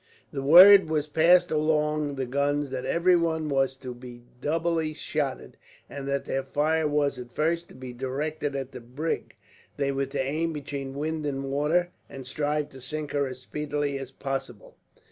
The word was passed along the guns that every one was to be double shotted, and that their fire was at first to be directed at the brig. They were to aim between wind and water, and strive to sink her as speedily as possible.